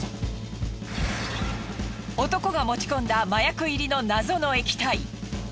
男が持ち込んだ麻薬入りの謎の液体。